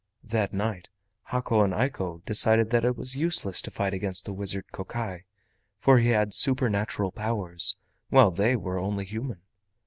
That night Hako and Eiko decided that it was useless to fight against the wizard Kokai, for he had supernatural powers, while they were only human.